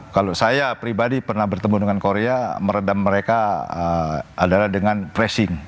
kalau saya pribadi pernah bertemu dengan korea meredam mereka adalah dengan pressing